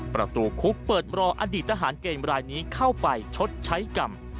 ประตูคุกเปิดรออดีตทหารเกณฑ์รายนี้เข้าไปชดใช้กรรม